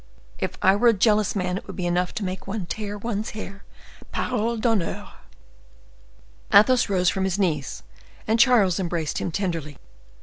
If I were a jealous man, it would be enough to make one tear one's hair, parole d'honneur!" Athos rose from his knees, and Charles embraced him tenderly.